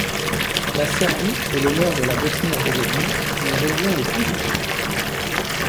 La Serbie et le nord de la Bosnie-Herzégovine sont les régions les plus touchées.